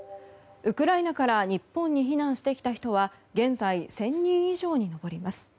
ウクライナから日本に避難してきた人は現在、１０００人以上に上ります。